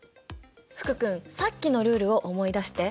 福君さっきのルールを思い出して。